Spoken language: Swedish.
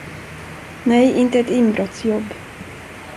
Nej, inte ett inbrottsjobb.